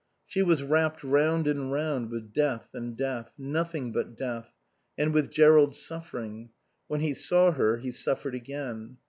She was wrapped round and round with death and death, nothing but death, and with Jerrold's suffering. When he saw her he suffered again.